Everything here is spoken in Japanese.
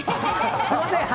すみません。